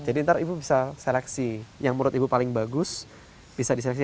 jadi nanti ibu bisa seleksi yang menurut ibu paling bagus bisa diseleksi